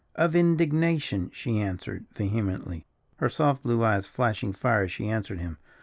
"Of indignation!" she answered, vehemently, her soft blue eyes flashing fire as she answered him.